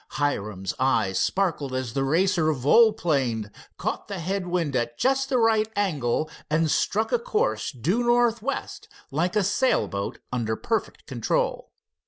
Hiram's eyes sparkled as the Racer volplaned, caught the head wind at just the right angle, and struck a course due northwest like a sail boat under perfect control.